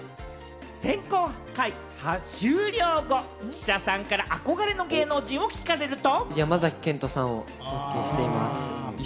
選考会終了後、記者さんから憧れの芸能人を聞かれると。